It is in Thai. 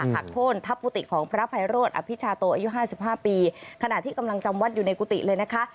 โค้นทับกุฏิของพระไพโรธอภิชาโตอายุห้าสิบห้าปีขณะที่กำลังจำวัดอยู่ในกุฏิเลยนะคะ